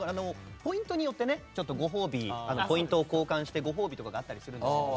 ポイントによってポイントで交換してご褒美とかがあったりするんですけど。